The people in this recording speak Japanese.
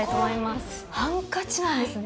ここはハンカチなんですね。